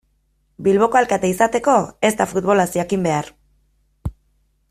Bilboko alkate izateko ez da futbolaz jakin behar.